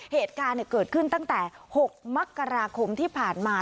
เหตุการณ์เกิดขึ้นตั้งแต่๖มกราคมที่ผ่านมา